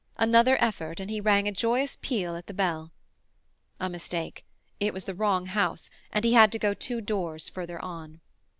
Another effort and he rang a joyous peal at the bell. A mistake. It was the wrong house, and he had to go two doors farther on.